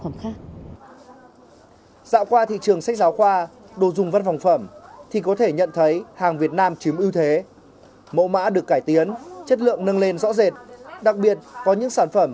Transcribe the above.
mẫu mã về mẫu mã và chất lượng cải tiến